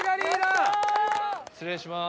失礼します。